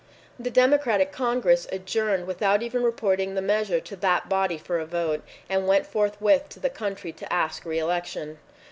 The Democratic Congress adjourned without even report ing the measure to that body for a vote, and went forthwith to the country to ask reelection.